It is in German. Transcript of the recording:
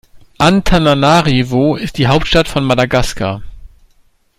Antananarivo ist die Hauptstadt von Madagaskar.